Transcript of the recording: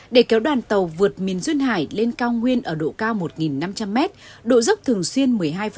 để kéo đoàn tàu vượt miền duyên hải lên cao nguyên ở độ cao một năm trăm linh m độ dốc thường xuyên một mươi hai